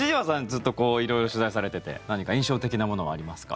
ずっと取材されてて何か印象的なものはありますか。